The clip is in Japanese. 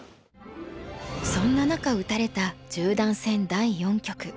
そんな中打たれた十段戦第四局。